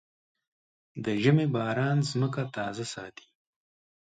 د ژمي باران ځمکه تازه ساتي.